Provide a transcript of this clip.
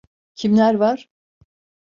Kimler var?